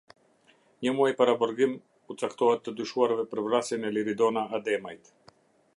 Një muaj paraburgim u caktohet të dyshuarve për vrasjen e Liridona Ademajt.